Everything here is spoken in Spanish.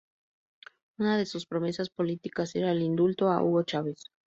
Una de sus promesas políticas era el indulto a Hugo Chávez.